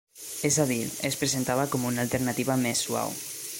És a dir, es presentava com una alternativa més suau.